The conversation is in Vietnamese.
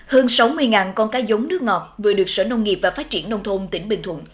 hơn sáu mươi con cá giống nước ngọt vừa được sở nông nghiệp và phát triển nông thôn tỉnh bình thuận